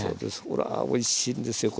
ほらおいしいんですよ